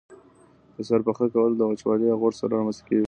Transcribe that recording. د سر پخه کول د وچوالي او غوړ سره رامنځته کیږي.